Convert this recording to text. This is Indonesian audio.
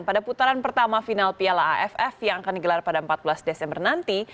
pada putaran pertama final piala aff yang akan digelar pada empat belas desember nanti